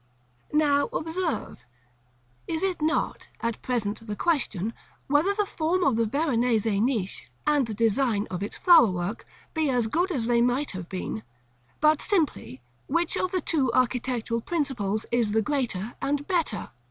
Now observe: it is not, at present, the question, whether the form of the Veronese niche, and the design of its flower work, be as good as they might have been; but simply, which of the two architectural principles is the greater and better.